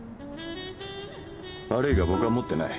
悪いが僕は持ってない。